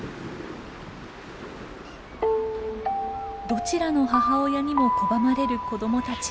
どちらの母親にも拒まれる子どもたち。